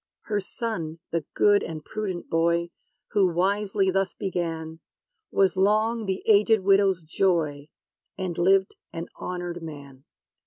Her son, the good and prudent boy, Who wisely thus began, Was long the aged widow's joy; And lived an honored man.